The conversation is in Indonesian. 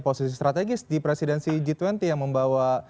posisi strategis di presidensi g dua puluh yang membawa